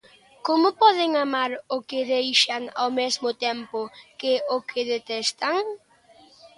Como poden amar o que deixan ao mesmo tempo que o detestan?